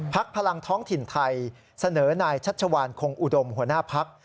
พลังท้องถิ่นไทยเสนอนายชัชวานคงอุดมหัวหน้าพัก